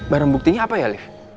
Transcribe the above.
barang buktinya apa ya ali